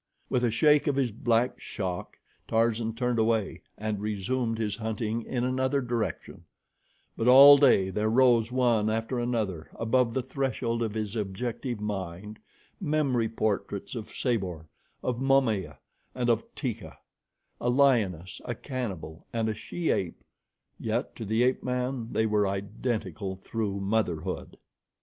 With a shake of his black shock, Tarzan turned away and resumed his hunting in another direction; but all day there rose one after another, above the threshold of his objective mind, memory portraits of Sabor, of Momaya, and of Teeka a lioness, a cannibal, and a she ape, yet to the ape man they were identical through motherhood.